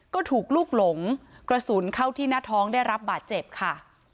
ก็ถูกลูกหลงกระสุนเข้าที่หน้าท้องได้รับบาดเจ็บค่ะ